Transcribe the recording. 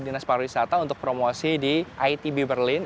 dan kita berkumpul dengan para wisata untuk promosi di itb berlin